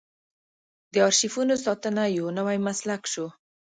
د ارشیفونو ساتنه یو نوی مسلک شو.